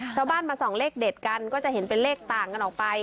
ชาวบ้านมาส่องเลขเด็ดกันก็จะเห็นเป็นเลขต่างกันออกไป